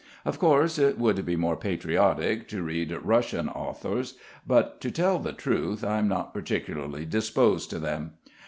Of course it would be more patriotic to read Russian authors, but to tell the truth I'm not particularly disposed to them.